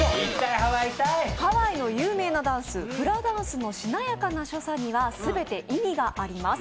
ハワイの有名なダンスにはしなやかな所作にはすべて意味があります。